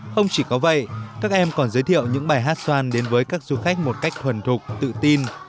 không chỉ có vậy các em còn giới thiệu những bài hát xoan đến với các du khách một cách thuần thục tự tin